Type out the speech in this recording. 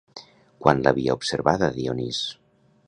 Quan l'havia observada Dionís?